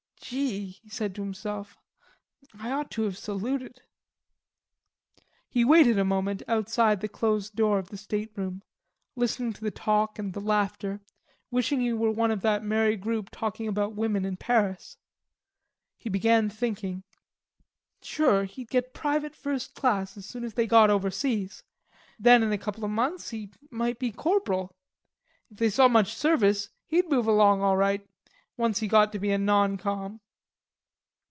"Gee," he said to himself. "I ought to have saluted." He waited a moment outside the closed door of the stateroom, listening to the talk and the laughter, wishing he were one of that merry group talking about women in Paris. He began thinking. Sure he'd get private first class as soon as they got overseas. Then in a couple of months he might be corporal. If they saw much service, he'd move along all right, once he got to be a non com.